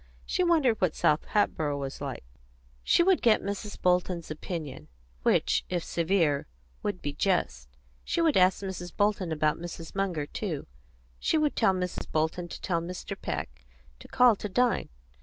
She wondered what South Hatboro' was like; she would get Mrs. Bolton's opinion, which, if severe, would be just. She would ask Mrs. Bolton about Mrs. Munger, too. She would tell Mrs. Bolton to tell Mr. Peck to call to dine.